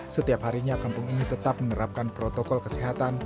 setiap harinya kampung ini tetap menerapkan protokol kesehatan